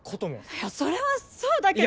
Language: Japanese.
いやそれはそうだけど。